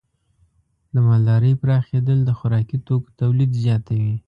د مالدارۍ پراخېدل د خوراکي توکو تولید زیاتوي.